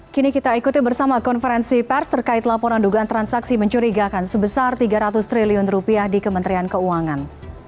kini kita ikuti bersama konferensi pers terkait laporan dugaan transaksi mencurigakan sebesar tiga ratus triliun rupiah di kementerian keuangan